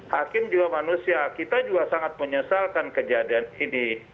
hakim juga manusia kita juga sangat menyesalkan kejadian ini